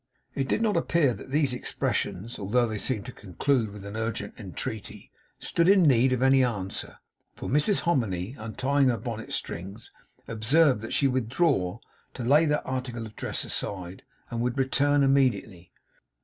It did not appear that these expressions, although they seemed to conclude with an urgent entreaty, stood in need of any answer; for Mrs Hominy, untying her bonnet strings, observed that she would withdraw to lay that article of dress aside, and would return immediately.